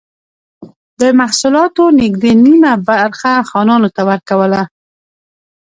د محصولاتو نږدې نییمه برخه خانانو ته ورکوله.